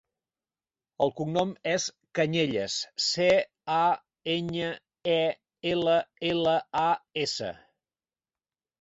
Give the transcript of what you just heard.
El cognom és Cañellas: ce, a, enya, e, ela, ela, a, essa.